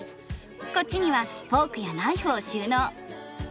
こっちにはフォークやナイフを収納。